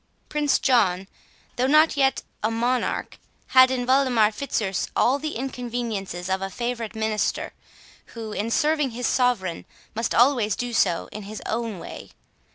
Prince John, though not yet a monarch, had in Waldemar Fitzurse all the inconveniences of a favourite minister, who, in serving his sovereign, must always do so in his own way.